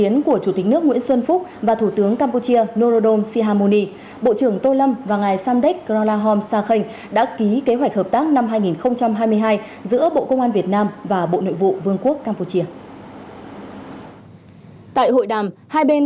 nhưng mà cũng phải nghiêm đối với người hiện